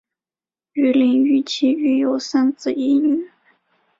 与林堉琪育有三子一女。